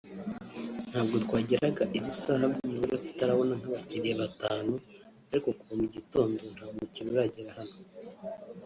ntabwo twageraga izi saha byibura tutarabona nk’abakiliya batanu ariko kuva mu gitondo nta mukiliya uragera hano